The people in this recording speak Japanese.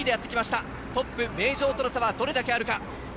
トップ・名城との差はどれだけあるか。